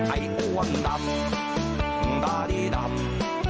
ไอ้อ้วนดำดาดีดำ